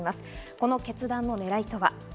この決断の狙いとは。